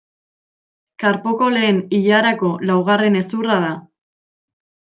Karpoko lehen ilarako laugarren hezurra da.